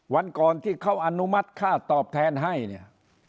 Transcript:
วันก่อนที่เขาอนุมัติค่าตอบแทนให้เนี่ย